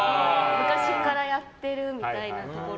昔からやってるみたいなところ。